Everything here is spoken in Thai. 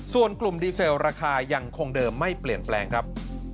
ส่วนกลุ่มดีเซลราคายังคงเดิมไม่เปลี่ยนแปลงครับ